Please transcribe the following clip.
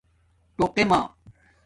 ٹݸقے مݳ